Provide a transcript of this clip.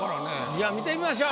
じゃあ見てみましょう。